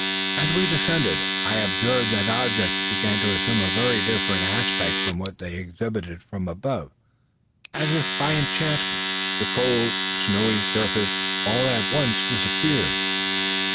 As we descended, I observed that objects began to assume a very different aspect from what they had exhibited from above. As if by enchantment, the cold snowy surface all at once disappeared.